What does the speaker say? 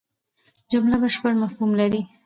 جمله بشپړ مفهوم لري.